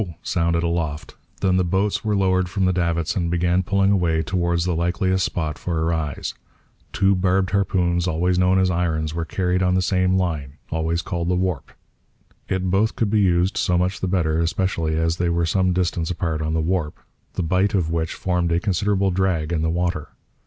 _ sounded aloft than the boats were lowered from the davits and began pulling away towards the likeliest spot for a rise. Two barbed harpoons, always known as 'irons,' were carried on the same line, always called the 'warp.' It both could be used, so much the better, especially as they were some distance apart on the warp, the bight of which formed a considerable drag in the water.